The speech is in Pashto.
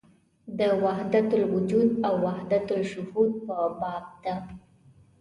د وحدت الوجود او وحدت الشهود په باب ده.